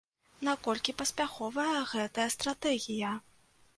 Наколькі паспяховая гэтая стратэгія?